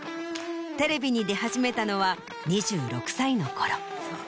テレビに出始めたのは２６歳の頃。